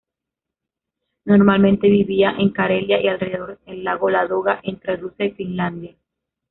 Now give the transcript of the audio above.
Normalmente vivía en Carelia y alrededor el lago Ladoga, entre Rusia y Finlandia.